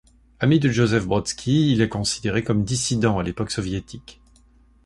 Ami de Joseph Brodsky, il est considéré comme dissident à l'époque soviétique.